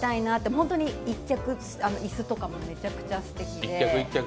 本当に一脚、椅子とかもめちゃくちゃして。